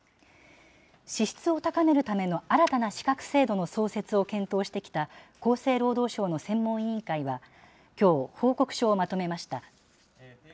資質を高めるための新たな資格制度の創設を検討してきた厚生労働省の専門委員会はきょう、報告書をまとめました。